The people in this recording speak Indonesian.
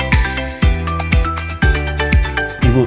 jadi agama kesehatan pendidikan ekonomi